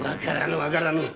わからぬ。